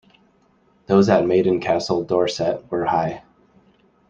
Those at Maiden Castle, Dorset were high.